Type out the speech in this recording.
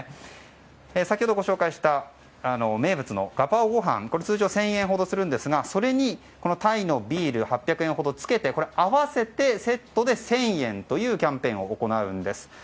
先ほどご紹介した名物のガパオごはん通常１０００円ほどするんですがそれにタイのビール８００円ほどをつけて合わせてセットで１０００円というキャンペーンを行うんです。